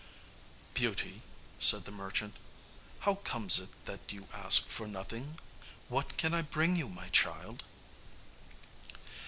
"Beauty," said the merchant, "how comes it that you ask for nothing? What can I bring you, my child?"